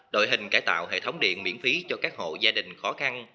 đội hình cải tạo hệ thống điện miễn phí cho các hộ gia đình khó khăn